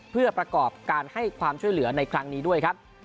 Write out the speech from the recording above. เพื่อประกอบการให้ความช่วยเหลือในครั้งนี้ด้วยครับ